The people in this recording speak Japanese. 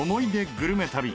グルメ旅。